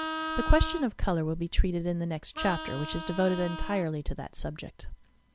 The question of colour will be treated in the nest chapter, which is devoted entirely to that subject.